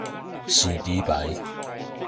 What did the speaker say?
糋豬排